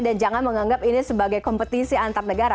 dan jangan menganggap ini sebagai kompetisi antar negara